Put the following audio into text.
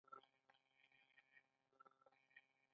سلطان ویل ته زما د زوی غوندې یې.